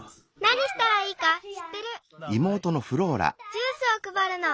ジュースをくばるの！